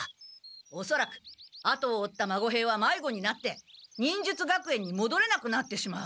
おそらく後を追った孫兵はまいごになって忍術学園にもどれなくなってしまう。